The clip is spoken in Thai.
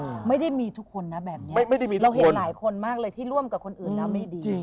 อืมไม่ได้มีทุกคนนะแบบนี้เราเห็นหลายคนมากเลยที่ร่วมกับคนอื่นแล้วไม่ดี